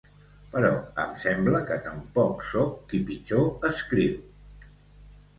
Però em sembla que tampoc soc qui pitjor escriu